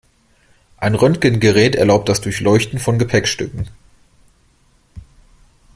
Ein Röntgengerät erlaubt das Durchleuchten von Gepäckstücken.